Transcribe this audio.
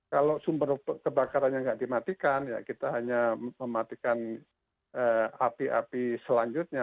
kalau sumber kebakarannya nggak dimatikan ya kita hanya mematikan api api selanjutnya